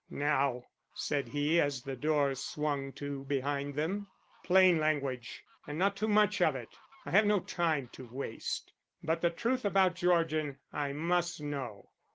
"Now," said he as the door swung to behind them, "plain language and not too much of it. I have no time to waste, but the truth about Georgian I must know."